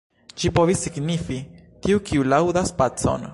Ĝi povis signifi: "tiu, kiu laŭdas pacon".